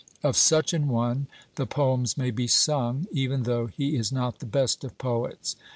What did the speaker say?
Of such an one the poems may be sung, even though he is not the best of poets.